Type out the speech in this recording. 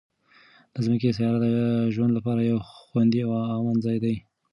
د ځمکې سیاره د ژوند لپاره یو خوندي او امن ځای دی.